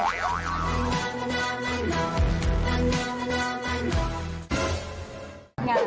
วันนี้เกี่ยวกับกองถ่ายเราจะมาอยู่กับว่าเขาเรียกว่าอะไรอ่ะนางแบบเหรอ